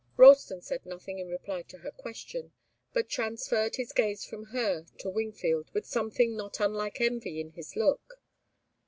Ralston said nothing in reply to her question, but transferred his gaze from her to Wingfield, with something not unlike envy in his look.